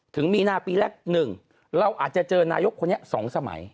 ถึงมีนาปีแรก๑เราอาจจะเจอนายกคนนี้๒สมัย